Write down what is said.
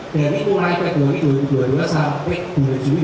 dari mulai februari dua ribu dua puluh dua sampai dua juli dua ribu dua